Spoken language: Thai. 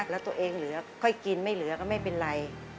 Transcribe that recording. แล้วตัวเองเหลือค่อยกินไม่เหลือก็ไม่เป็นไร